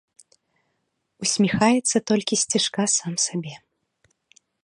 Усміхаецца толькі сцішка сам сабе.